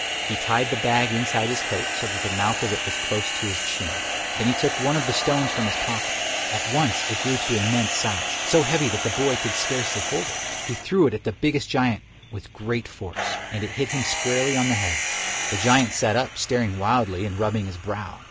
He tied the bag inside his coat so that the mouth of it was close to his chin. Then he took one of the stones from his pocket. At once it grew to immense size, so heavy that the boy could scarcely hold it. He threw it at the biggest giant with great force, and it hit him squarely on the head. The giant sat up staring wildly and rubbing his brow.